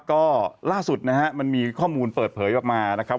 ก็ล่าสุดนะฮะมันมีข้อมูลเปิดเผยออกมานะครับ